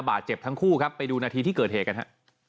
บาดเจ็บทั้งคู่ครับไปดูนาทีที่เกิดเหตุกันฮะ